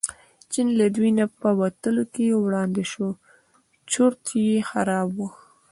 چینی له دوی نه په وتلو کې وړاندې شو چورت یې خراب و.